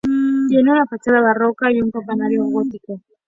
Tiene una fachada barroca y un campanario gótico.